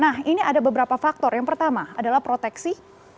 nah ini ada beberapa faktor yang pertama adalah proteksi